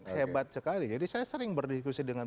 hebat sekali jadi saya sering berdiskusi dengan